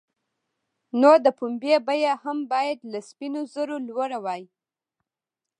نو د پنبې بیه هم باید له سپینو زرو لوړه وای.